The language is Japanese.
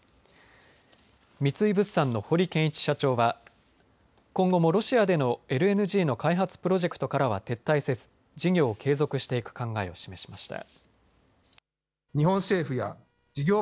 三井物産の堀健一社長は今後もロシアでのＬＮＧの開発プロジェクトからは撤退せず事業を継続していく考えを示しました。